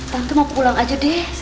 nanti mau pulang aja deh